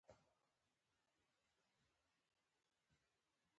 سترګې په بڼو نه درنې ايږي